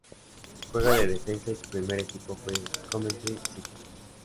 Juega de defensa y su primer equipo fue Coventry City.